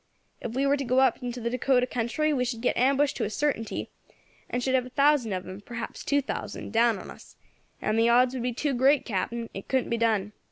If we were to go up into the Dacota country we should get ambushed to a certainty, and should have a thousand of them, perhaps two thousand, down on us, and the odds would be too great, Captain; it couldn't be done.